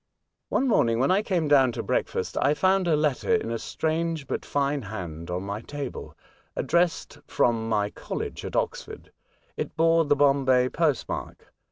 %^* ¥li One morning, when I came down to break fast, I found a letter in a strange, but fine, hand on my table, addressed on from my college at Oxford. It bore the Bombay post mark.